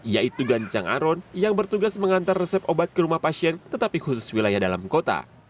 yaitu ganjang aron yang bertugas mengantar resep obat ke rumah pasien tetapi khusus wilayah dalam kota